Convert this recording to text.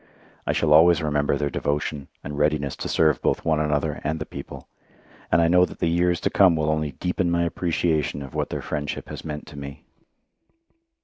I shall always remember their devotion, and readiness to serve both one another and the people; and I know that the years to come will only deepen my appreciation of what their friendship has meant to me.